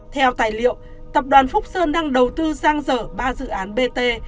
theo tài liệu tập đoàn phúc sơn đang đầu tư giang dở ba dự án bt